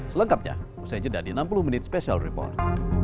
selengkapnya usai jeda di enam puluh menit special report